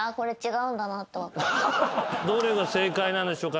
どれが正解なんでしょうか。